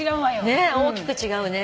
ねっ大きく違うね。